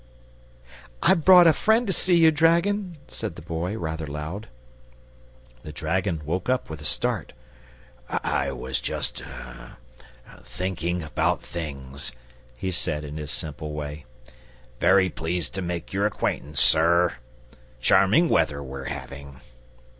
"I've brought a friend to see you, dragon," said the Boy, rather loud. The dragon woke up with a start. "I was just er thinking about things," he said in his simple way. "Very pleased to make your acquaintance, sir. Charming weather we're having!"